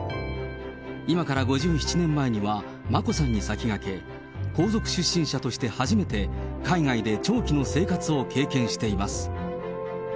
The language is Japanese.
今から５７年前には、眞子さんに先駆け、皇族出身者として初めて、海外で長期の生活を経験しています。